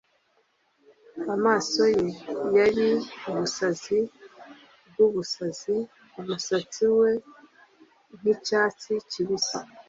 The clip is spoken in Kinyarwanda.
Amaso ye yari ubusazi bwubusazi, umusatsi we nkicyatsi kibisi,